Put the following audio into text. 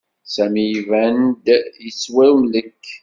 Sami iban-d yettwamlek.